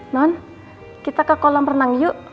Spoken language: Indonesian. non kita ke kolam renang yuk